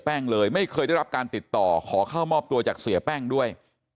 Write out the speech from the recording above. เลยไม่เคยได้รับการติดต่อขอเข้ามอบตัวจากเสียแป้งด้วย